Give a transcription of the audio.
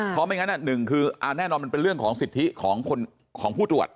เพราะไม่งั้นหนึ่งคือแน่นอนมันเป็นเรื่องของสิทธิของผู้ตรวจ